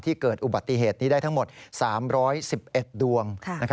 เกิดอุบัติเหตุนี้ได้ทั้งหมด๓๑๑ดวง